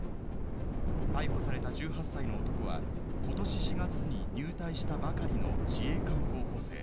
逮捕された１８歳の男は、ことし４月に入隊したばかりの自衛官候補生。